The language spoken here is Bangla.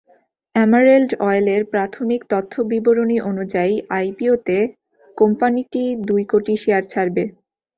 অ্যামারেল্ড অয়েলের প্রাথমিক তথ্য বিবরণী অনুযায়ী, আইপিওতে কোম্পানিটি দুই কোটি শেয়ার ছাড়বে।